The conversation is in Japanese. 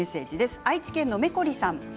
愛知県の方です。